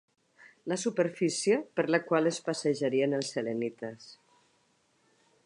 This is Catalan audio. La superfície per la qual es passejarien els selenites.